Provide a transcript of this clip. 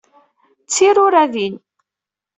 D tiruradin.